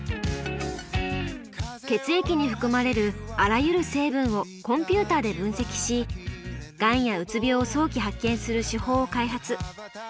血液に含まれるあらゆる成分をコンピューターで分析しがんやうつ病を早期発見する手法を開発。